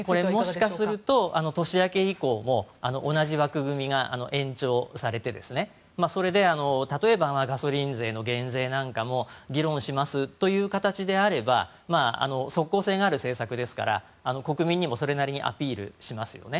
もしかすると年明け以降も同じ枠組みが延長されてそれで例えばガソリン税の減税なんかも議論しますという形であれば即効性がある政策ですから国民にもそれなりにアピールしますよね。